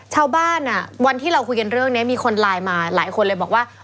ชาวบ้านวันที่เราคุยกันเรื่องนี้มีคนไลน์มาหลายคนเลยบอกว่า